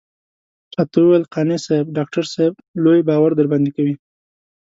راته وويل قانع صاحب ډاکټر صاحب لوی باور درباندې کوي.